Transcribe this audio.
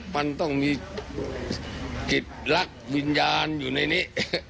มันต้องมีจิตรักวิญญาณอยู่ในนี้